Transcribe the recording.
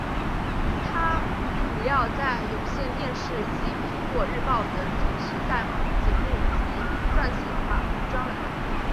她主要在有线电视及苹果日报等主持赛马节目及撰写马评专栏。